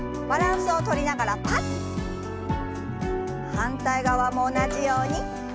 反対側も同じように。